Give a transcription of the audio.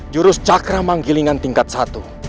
jurus cakra manggilingan tingkat satu